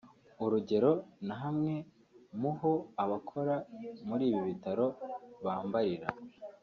urugero na hamwe mu ho abakora muri ibi bitaro bambarira